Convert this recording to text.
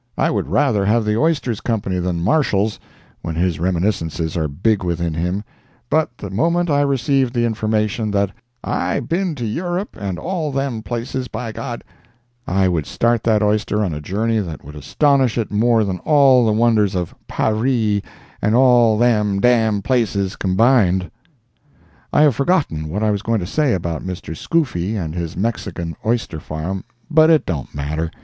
I would rather have the oyster's company than Marshall's when his reminiscences are big within him, but the moment I received the information that "I been to Europe, and all them places, by G—," I would start that oyster on a journey that would astonish it more than all the wonders of "Parree" and "all them d—d places" combined. I have forgotten what I was going to say about Mr. Scoofy and his Mexican oyster farm, but it don't matter.